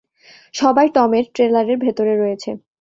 সবাই টমের ট্রেলারের ভেতরে রয়েছে।